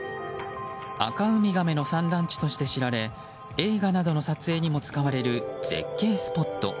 アカウミガメの産卵地として知られ映画などの撮影などにも使われる絶景スポット。